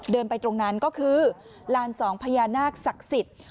เดินไปตรงนั้นก็คือลานสองพญานาคศักดิ์สิทธิ์